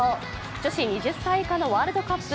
女子２０歳以下のワールドカップ。